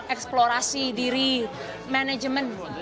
eksplorasi diri manajemen